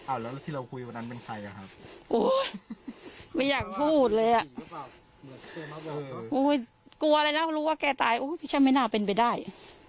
แล้วที่เราคุยวันนั้นเป็นใครอ่ะครับโอ้ยไม่อยากพูดเลยอ่ะหรือเปล่ารู้ว่าแกตายโอ้ยพี่ฉันไม่น่าเป็นไปได้